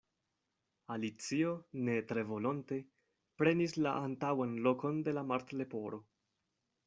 Alicio, ne tre volonte, prenis la antaŭan lokon de la Martleporo.